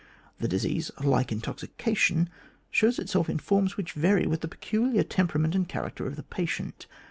The disease, like intoxication, shows itself in forms which vary with the peculiar temperament and character of the patient.